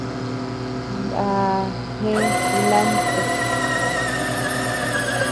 Naa jëe kulanto.